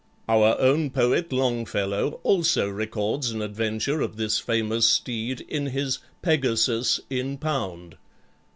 Our own poet Longfellow also records an adventure of this famous steed in his "Pegasus in Pound."